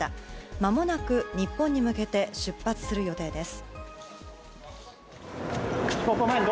まもなく日本に向けて出発する予定です。